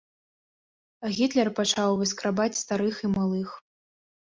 Гітлер пачаў выскрабаць старых і малых.